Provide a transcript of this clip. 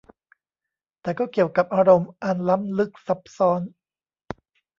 แต่ก็เกี่ยวกับอารมณ์อันล้ำลึกซับซ้อน